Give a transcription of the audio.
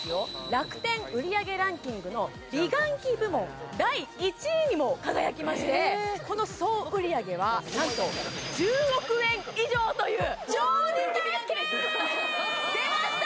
楽天売上ランキングの美顔器部門第１位にも輝きましてこの総売上はなんと１０億円以上という出ました！